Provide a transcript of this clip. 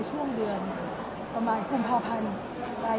ช่วงเดือนประมาณกุมภาพันธ์